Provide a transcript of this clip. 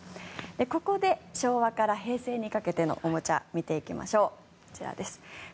ここで昭和から平成にかけてのおもちゃ、見ていきましょう。